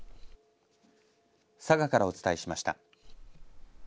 佐賀からお伝えしました。